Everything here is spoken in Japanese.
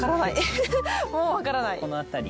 この辺り。